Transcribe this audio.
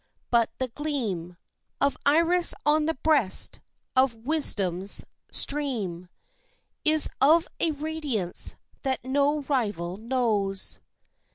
But the gleam Of iris on the breast of wisdom's stream Is of a radiance that no rival knows.